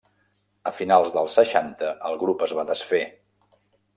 A finals dels seixanta el grup es va desfer.